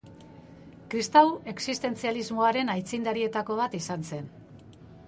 Kristau existentzialismoaren aitzindarietako bat izan zen.